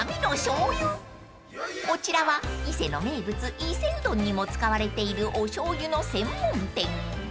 ［こちらは伊勢の名物伊勢うどんにも使われているおしょうゆの専門店］